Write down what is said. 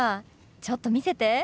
ちょっと見せて。